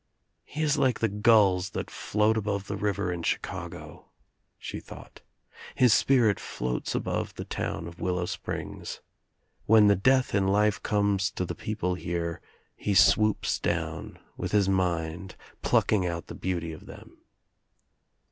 "He Is like the gulls that float above the river in | Chicago," she thought, "His spirit floats above the ' town of Willow Springs. When the death m life comes to the people here he swoops down, with his mind, plucking out the beauty of them."